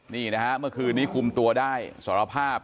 นี่นะฮะเมื่อคืนนี้คุมตัวได้สารภาพ